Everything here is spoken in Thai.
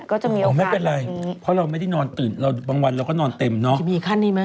ก็จะมีโอกาสแบบนี้